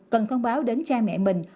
cần thông báo đến cha mẹ mình